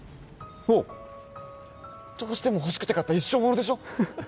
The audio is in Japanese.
おうどうしても欲しくて買った一生ものでしょ？